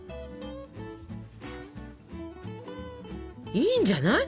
いいんじゃない？